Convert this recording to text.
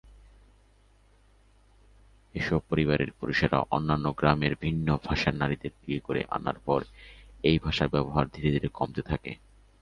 এসব পরিবারের পুরুষেরা অন্য গ্রামের ভিন্ন ভাষার নারীদের বিয়ে করে আনার পর এই ভাষার ব্যবহার ধীরে ধীরে কমতে থাকে।